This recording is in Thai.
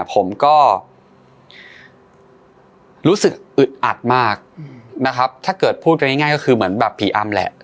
ผมก็รู้สึกอึดอัดมากนะครับถ้าเกิดพูดกันง่ายก็คือเหมือนแบบผีอำแหละ